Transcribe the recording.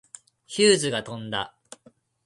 ヒューズが飛んだ。